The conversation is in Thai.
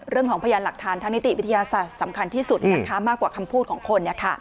เรื่องของพยานหลักฐานทางนิติวิทยาศาสตร์สำคัญที่สุดนะคะมากกว่าคำพูดของคน